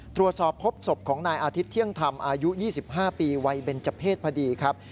ตรวจสอบพบศพของนายอาทิตย์เที่ยงธรรมอายุ๒๕ปีวัยเบนเจอร์เพศพอดีครับ